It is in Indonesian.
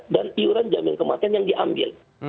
dan iuran jaminan kematian yang diambil